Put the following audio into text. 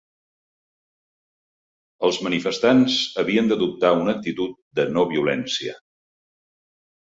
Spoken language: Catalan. Els manifestants havien d'adoptar una actitud de no-violència.